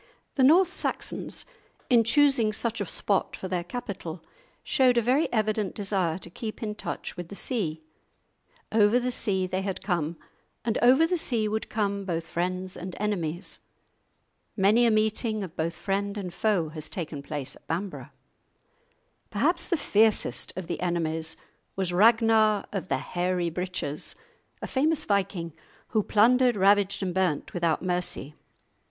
The North Saxons in choosing such a spot for their capital showed a very evident desire to keep in touch with the sea. Over the sea they had come; and over the sea would come both friends and enemies. Many a meeting of both friend and foe has taken place at Bamburgh! Perhaps the fiercest of the enemies was Ragnar of the hairy breeches, a famous viking who plundered, ravaged, and burnt without mercy.